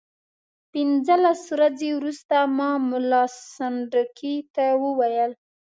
پنځلس ورځې وروسته ما ملا سنډکي ته وویل.